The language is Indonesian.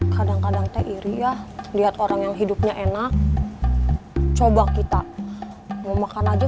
kadang kadang teh iri ya lihat orang yang hidupnya enak coba kita mau makan aja